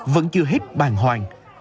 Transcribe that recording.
vẫn chưa hết bàn hoàng